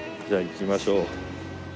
じゃあ行きましょう。